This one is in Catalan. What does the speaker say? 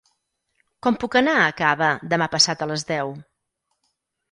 Com puc anar a Cava demà passat a les deu?